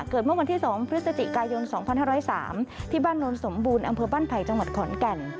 เมื่อวันที่๒พฤศจิกายน๒๕๐๓ที่บ้านโนนสมบูรณ์อำเภอบ้านไผ่จังหวัดขอนแก่น